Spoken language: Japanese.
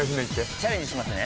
チャレンジしますね。